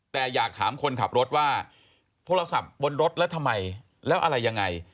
แต่อยากถามคนขับรถว่าโทรศัพท์บนรถแล้วทำไมแล้วอะไรยังไง